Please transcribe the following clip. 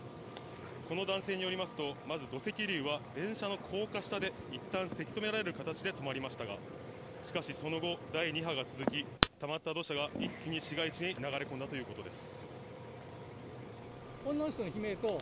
この男性によりますと土石流は電車の高架下で一旦、せき止められる形で止まりましたがその後、第二波が続き溜まった土砂が一気に市街地に流れ込んだという事です。